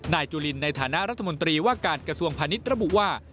จุลินในฐานะรัฐมนตรีว่าการกระทรวงพาณิชย์ระบุว่า